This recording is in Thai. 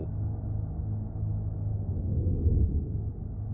โปรดติดตามตอนต่อไป